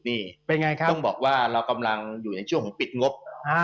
ต้องบอกว่าเราอยู่ในช่วงปิดงบ